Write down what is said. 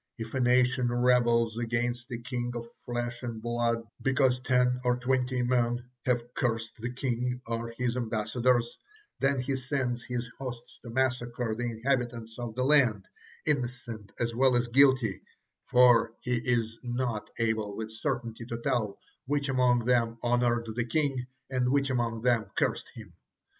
If a nation rebels against a king of flesh and blood because ten or twenty men have cursed the king or his ambassadors, then he sends his hosts to massacre the inhabitants of the land, innocent as well as guilty, for he is not able with certainty to tell which among them honored the king and which among them cursed him.